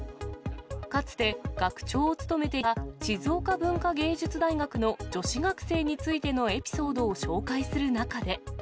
かつて学長を務めていた静岡文化芸術大学の女子学生についてのエピソードを紹介する中で。